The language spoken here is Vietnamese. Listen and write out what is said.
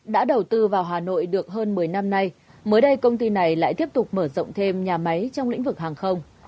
đã đầu tư vào hà nội được hơn một mươi năm nay mới đây công ty này lại tiếp tục mở rộng thêm nhà máy trong lĩnh vực hàng không